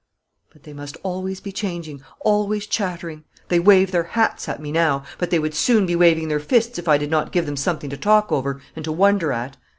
But they must always be changing, always chattering. They wave their hats at me now, but they would soon be waving their fists if I did not give them something to talk over and to wonder at.